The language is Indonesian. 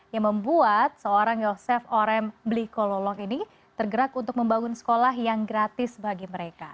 yang membuat seorang yosef orem blikololo ini tergerak untuk membangun sekolah yang gratis bagi mereka